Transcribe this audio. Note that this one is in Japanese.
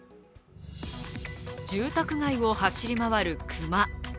住宅街を走り回る熊。